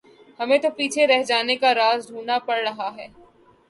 ہمیں تو پیچھے رہ جانے کا راز ڈھونڈنا پڑ رہا ہے۔